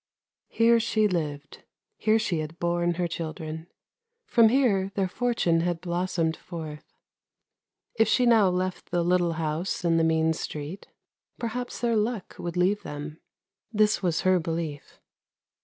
Here she lived, here she had borne her children, from here their fortune had blossomed forth. If she now left the little house in the mean street perhaps their luck would leave them. This was her belief."